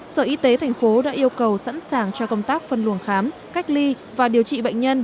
sở y tế thành phố đã yêu cầu sẵn sàng cho công tác phân luồng khám cách ly và điều trị bệnh nhân